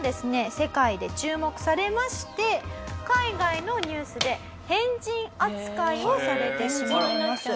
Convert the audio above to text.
世界で注目されまして海外のニュースで変人扱いをされてしまいます。